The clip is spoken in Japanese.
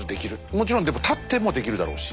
もちろんでも立ってもできるだろうし。